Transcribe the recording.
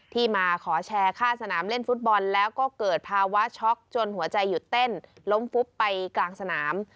ที่มาขอแชร์ค่าสนามเล่นฟุตบอลแล้วก็เกิดภาวะช็อกจนหัวใจหยุดเต้นล้มฟุบไปกลางสนาม